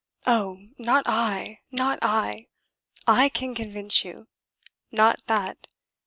Oh! not I, not I. I can convince you. Not that.